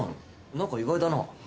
何か意外だな。